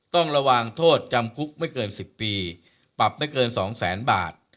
ต้องระวังโทษจำคุกไม่เกิน๑๐ปีปรับไม่เกิน๒แสนบาท